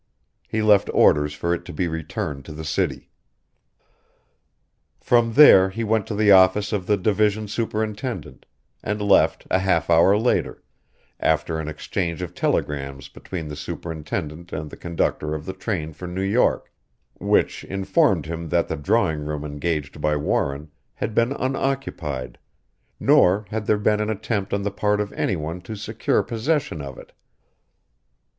He left orders for it to be returned to the city. From there he went to the office of the division superintendent, and left a half hour later, after an exchange of telegrams between the superintendent and the conductor of the train for New York, which informed him that the drawing room engaged by Warren had been unoccupied, nor had there been an attempt on the part of any one to secure possession of it.